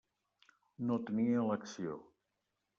No tenia elecció.